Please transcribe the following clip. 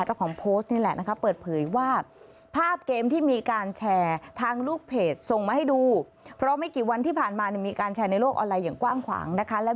เจ้าของโพสต์นี่แหละนะครับเปิดเผยว่า